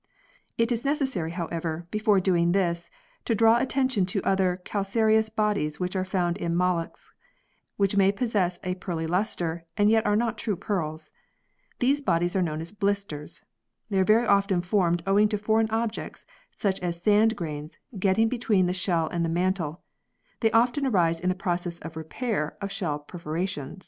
It is necessary, however, before doing this to draw attention to other calcareous bodies which are found in molluscs, which may possess a pearly lustre, and yet are not true pearls. These bodies are known as blisters. They are very often formed owing to foreign objects such as sand grains getting between the shell and the mantle ; they often arise in the process of repair of shell perforations.